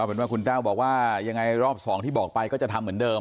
เป็นว่าคุณแต้วบอกว่ายังไงรอบ๒ที่บอกไปก็จะทำเหมือนเดิม